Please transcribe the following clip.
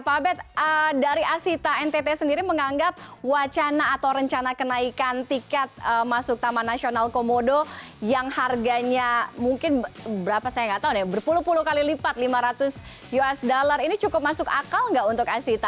pak abed dari asita ntt sendiri menganggap wacana atau rencana kenaikan tiket masuk taman nasional komodo yang harganya mungkin berapa saya nggak tahu nih berpuluh puluh kali lipat lima ratus usd ini cukup masuk akal nggak untuk asita